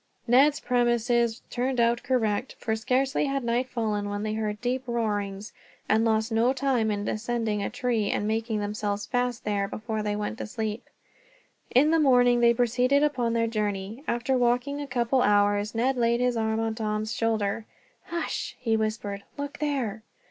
Ned's premises turned out correct, for scarcely had night fallen when they heard deep roarings, and lost no time in ascending a tree, and making themselves fast there, before they went to sleep. In the morning they proceeded upon their journey. After walking a couple of hours, Ned laid his arm upon Tom's shoulder. "Hush!" he whispered. "Look there."